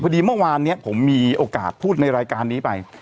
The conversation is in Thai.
ดีเมื่อวานนี้ผมมีโอกาสพูดในรายการนี้ไป